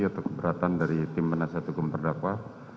atau keberatan dari tim penasihat hukum terdakwa